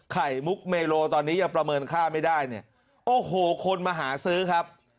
ไข่มุกเมโลตอนนี้ยังประเมินค่าไม่ได้เนี่ยโอ้โหคนมาหาซื้อครับ